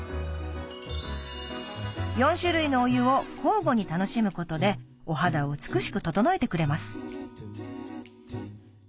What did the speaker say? ４種類のお湯を交互に楽しむことでお肌を美しく整えてくれます